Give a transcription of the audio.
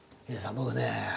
僕ね